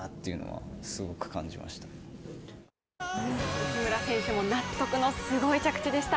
内村選手も納得のすごい着地でした。